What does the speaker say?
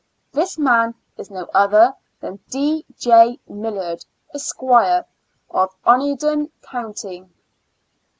This man is no other than D. J. Millard, Esq., of Oneida County.